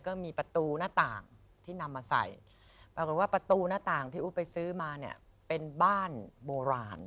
ก็มีประตูหน้าต่างที่นำมาใส่ปรากฏว่าประตูหน้าต่างที่อู๊ดไปซื้อมาเนี่ยเป็นบ้านโบราณ